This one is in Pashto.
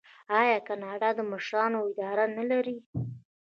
آیا کاناډا د مشرانو اداره نلري؟